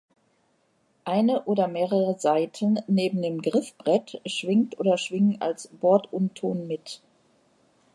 Eine oder mehrere Saiten neben dem Griffbrett schwingt oder schwingen als Bordunton mit.